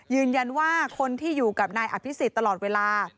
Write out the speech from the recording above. ยืนยันว่าคนที่อยู่กับนายอภิษฎตลอดเวลา